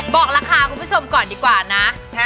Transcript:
บอกราคาคุณผู้ชมก่อนดีกว่านะ